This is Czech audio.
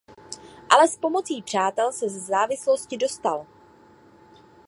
Ale s pomocí přátel se ze závislosti dostal.